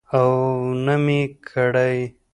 او نه مې کړى.